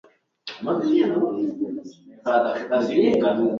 En el seu viatge a l'Assentament Occidental, va trobar només granges buides.